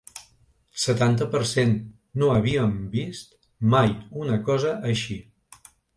Setanta per cent No havíem vist mai una cosa així.